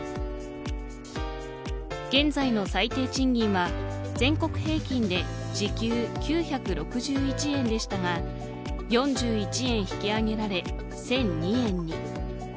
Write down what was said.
現在の最低賃金は全国平均で時給９６１円でしたが４１円引き上げられ１００２円に。